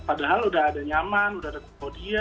padahal udah ada nyaman udah ada fodia